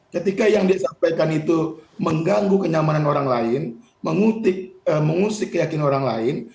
ketika yang dia sampaikan itu mengganggu kenyamanan orang lain mengusik keyakinan orang lain